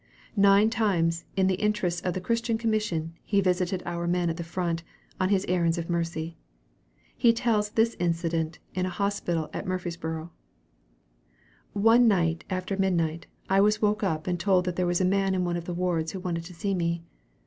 Nine times, in the interests of the Christian Commission, he visited our men at the front, on his errands of mercy. He tells this incident in a hospital at Murfreesboro'. "One night after midnight, I was woke up and told that there was a man in one of the wards who wanted to see me.